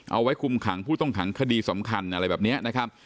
เอาไว้คุมขังผู้ต้องขังคดีสำคัญอะไรแบบนี้นะครับ